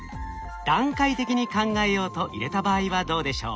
「段階的に考えよう」と入れた場合はどうでしょう。